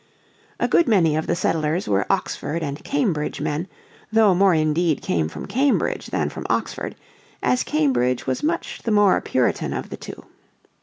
A good many of the settlers were Oxford and Cambridge men, though more indeed came from Cambridge than from Oxford, as Cambridge was much the more Puritan of the two.